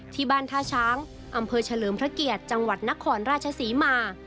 ที่บ้านท่าช้างอำเภอเฉลิมพระเกียรติจังหวัดนครราชศรีมา